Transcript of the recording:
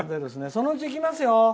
そのうち行きますよ。